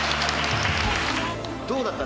どうだった？